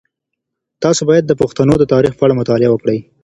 تاسو باید د پښتنو د تاریخ په اړه مطالعه وکړئ.